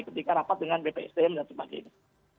ketika rapat dengan bpsdm dan sebagainya